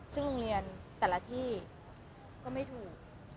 ซึ่งโรงเรียนแต่ละที่ก็ไม่ถูก